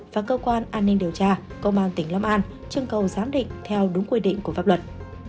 và cơ quan an ninh điều tra công an tỉnh long an chưng cầu giám định theo đúng quy định của pháp luật